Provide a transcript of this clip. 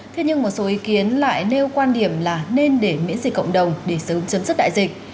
thế nhưng một số ý kiến lại nêu quan điểm là nên để miễn dịch cộng đồng để sớm chấm dứt đại dịch